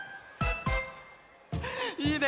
いいね